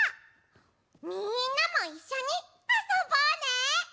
みんなもいっしょにあそぼうね！